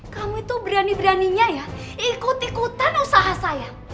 kamu itu berani beraninya ya ikut ikutan usaha saya